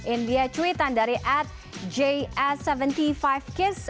india cuitan dari at js tujuh puluh lima kiss